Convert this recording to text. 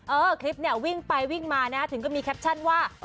เออคลิปเนี่ยวิ่งไปวิ่งมานะถึงก็มีแคปชั่นว่า